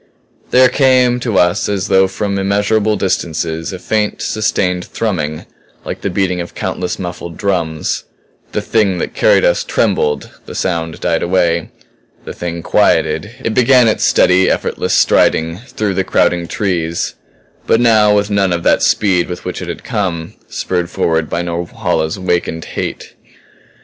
There came to us as though from immeasurable distances, a faint, sustained thrumming like the beating of countless muffled drums. The Thing that carried us trembled the sound died away. The Thing quieted; it began its steady, effortless striding through the crowding trees but now with none of that speed with which it had come, spurred forward by Norhala's awakened hate.